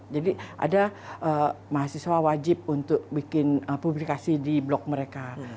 jadi ada mahasiswa wajib untuk bikin publikasi di blog mereka